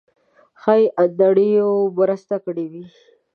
ښایي انډریو مرسته کړې وي.